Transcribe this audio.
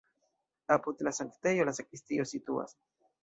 Apud la sanktejo la sakristio situas.